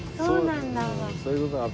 そうなんだ。